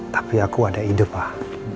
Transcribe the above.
tapi aku ada ide pak